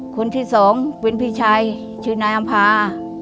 คนที่๒หวินพี่ชัยชื่อนายอำพา